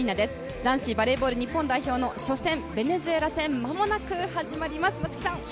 男子バレーボール日本代表の初戦、ベネズエラ戦まもなく始まります、松木さん。